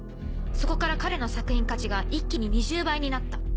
そこから彼の作品価値が一気に２０倍になった。